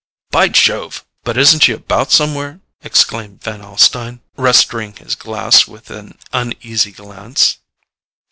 '" "By Jove,—but isn't she about somewhere?" exclaimed Van Alstyne, restoring his glass with an uneasy glance.